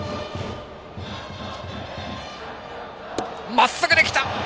まっすぐできた！